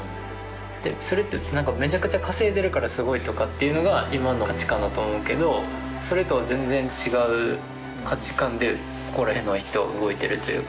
それって何かめちゃくちゃ稼いでるからすごいとかっていうのが今の価値観だと思うけどそれとは全然違う価値観でここら辺の人動いてるというか。